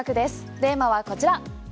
テーマはこちら。